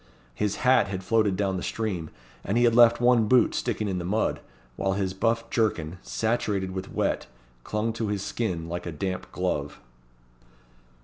His hat had floated down the stream, and he had left one boot sticking in the mud, while his buff jerkin, saturated with wet, clung to his skin like a damp glove.